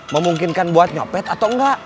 memungkinkan buat nyopet atau enggak